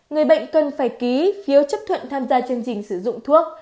người bệnh cần phải ký phiếu chấp thuận tham gia chương trình sử dụng thuốc